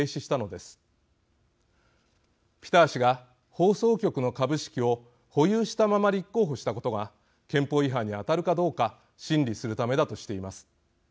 ピター氏が放送局の株式を保有したまま立候補したことが憲法違反に当たるかどうか審理するためだとしています。